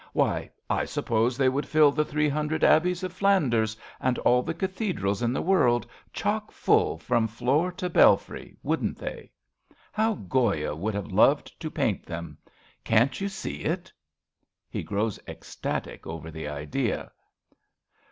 Why, I suppose they would fill the three hundred abbeys of Flanders and all the cathedrals in the world chock full from floor to belfry, wouldn't they? How Goya would have loved to paint them ! Can't you see it ? {He groivs ecstatic over the idea.)